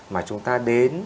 mà chúng ta đến